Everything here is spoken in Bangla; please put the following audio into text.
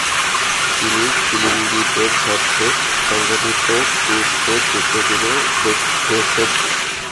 তিনি ফিরিঙ্গীদের সাথে সংঘটিত ক্রুসেড যুদ্ধগুলোও দেখেছেন।